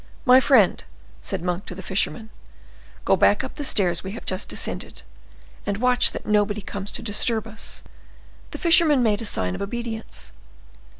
My friend," said Monk to the fisherman, "go back up the stairs we have just descended, and watch that nobody comes to disturb us." The fisherman made a sign of obedience.